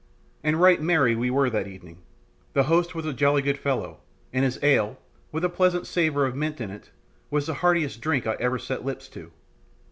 And right merry we were that evening. The host was a jolly good fellow, and his ale, with a pleasant savour of mint in it, was the heartiest drink I ever set lips to.